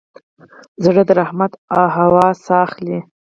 زړه د رحمت هوا ساه اخلي.